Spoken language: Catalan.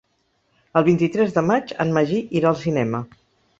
El vint-i-tres de maig en Magí irà al cinema.